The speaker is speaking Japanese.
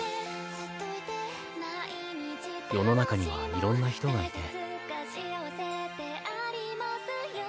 世の中にはいろんな人がいて。